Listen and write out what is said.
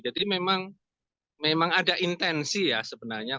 jadi memang ada intensi ya sebenarnya